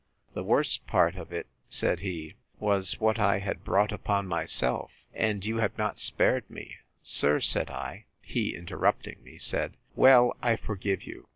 The worst part of it, said he, was what I had brought upon myself; and you have not spared me. Sir, said I—He interrupting me, said, Well, I forgive you.